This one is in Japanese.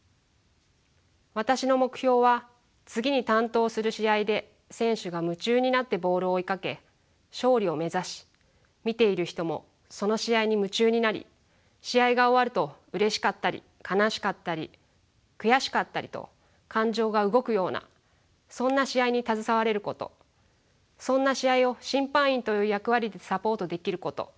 私の目標は次に担当する試合で選手が夢中になってボールを追いかけ勝利を目指し見ている人もその試合に夢中になり試合が終わるとうれしかったり悲しかったり悔しかったりと感情が動くようなそんな試合に携われることそんな試合を審判員という役割でサポートできること。